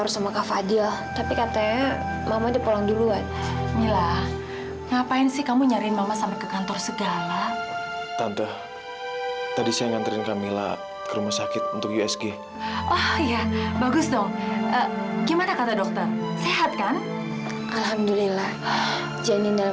sampai jumpa di video selanjutnya